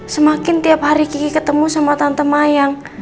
semakin tiap hari kiki ketemu sama tante mayang